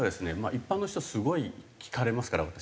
一般の人すごい聞かれますから私。